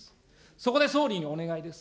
そこで総理にお願いです。